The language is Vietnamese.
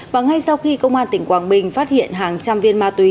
và ngay sau khi công an tỉnh quảng bình phát hiện hàng trăm viên ma túy